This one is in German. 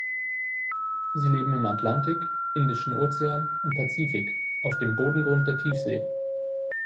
Sie leben im Atlantik, Indischen Ozean und Pazifik auf dem Bodengrund der Tiefsee.